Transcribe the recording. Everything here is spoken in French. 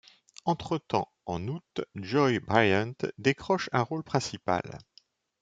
Entretemps en août, Joy Bryant décroche un rôle principal.